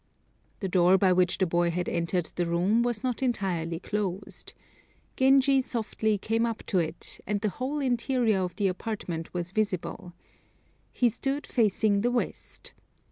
The door by which the boy had entered the room was not entirely closed. Genji softly came up to it, and the whole interior of the apartment was visible. He stood facing the west.